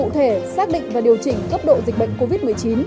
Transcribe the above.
các địa phương đã xác định và điều chỉnh cấp độ dịch bệnh covid một mươi chín